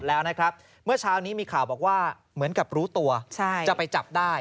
แล้วนะครับเมื่อเช้านี้มีข่าวบอกว่าเหมือนกับรู้ตัวจะไปจับได้